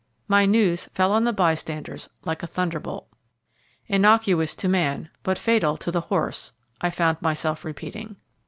My news fell on the bystanders like a thunderbolt. "Innocuous to man, but fatal to the horse," I found myself repeating.